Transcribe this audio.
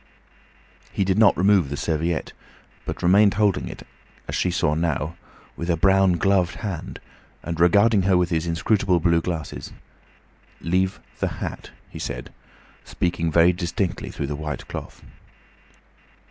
He did not remove the serviette, but remained holding it, as she saw now, with a brown gloved hand, and regarding her with his inscrutable blue glasses. "Leave the hat," he said, speaking very distinctly through the white cloth.